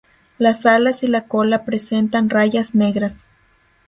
Las alas y la cola presentan rayas negras.